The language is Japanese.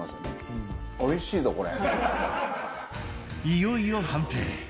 いよいよ判定